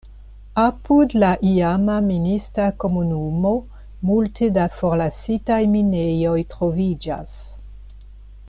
Apud la iama minista komunumo multe da forlasitaj minejoj troviĝas.